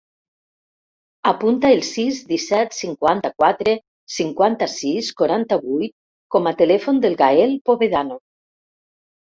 Apunta el sis, disset, cinquanta-quatre, cinquanta-sis, quaranta-vuit com a telèfon del Gaël Povedano.